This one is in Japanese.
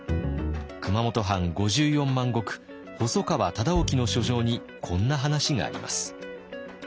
熊本藩５４万石細川忠興の書状にこんな話があります。